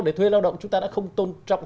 để thuê lao động chúng ta đã không tôn trọng